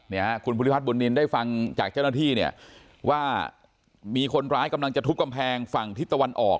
เนี่ยฮะคุณภูริพัฒนบุญนินได้ฟังจากเจ้าหน้าที่เนี่ยว่ามีคนร้ายกำลังจะทุบกำแพงฝั่งทิศตะวันออก